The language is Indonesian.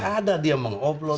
tidak ada dia mengupload